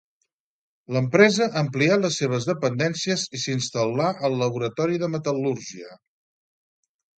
L'empresa amplià les seves dependències i s'instal·là al Laboratori de Metal·lúrgia.